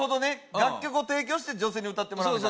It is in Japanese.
楽曲を提供して女性に歌ってもらうみたいな